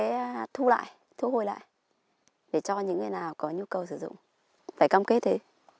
sẽ thu lại thu hồi lại để cho những người nào có nhu cầu sử dụng phải cam kết thế